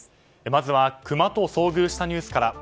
まずはクマと遭遇したニュースから。